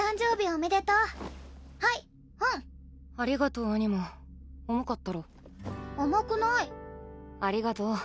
おめでとうはい本ありがとう重かったろ重くないありがとう。